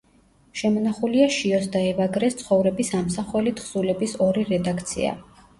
შემონახულია შიოს და ევაგრეს ცხოვრების ამსახველი თხზულების ორი რედაქცია.